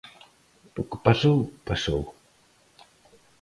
O que pasou, pasou.